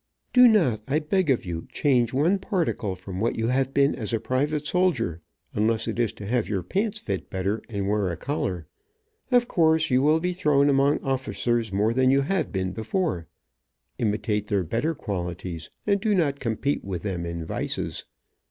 Do not, I beg of you, change one particle from what you have been as a private soldier, unless it is to have your pants fit better, and wear a collar. Of course, you will be thrown among officers more than you have before. Imitate their better qualities, and do not compete with them in vices.